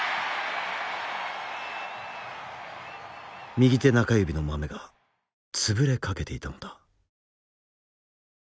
右手中指のまめが潰れかけていたのだ。